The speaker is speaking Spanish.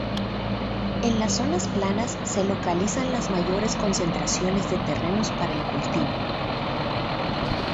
En las zonas planas se localizan las mayores concentraciones de terrenos para el cultivo.